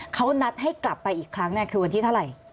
เขานัดให้กลับไปอีกครั้งคือวันที่เท่าไหร่